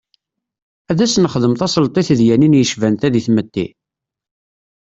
Ad as-nexdem tasleḍt i tedyanin yecban ta deg tmetti?